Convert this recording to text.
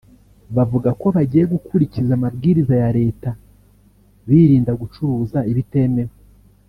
bavuga ko bagiye gukurikiza amabwiriza ya Leta birinda gucuruza ibitemewe